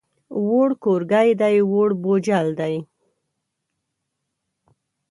ووړ کورګی دی، ووړ بوجل دی.